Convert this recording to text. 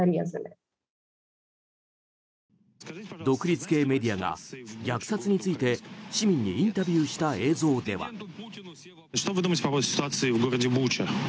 独立系メディアが虐殺について市民にインタビューした映像では。